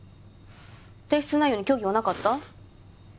提出内容に虚偽はなかった？